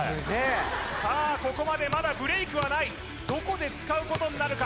さあここまでまだブレイクはないどこで使うことになるか